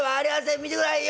見てくださいよ。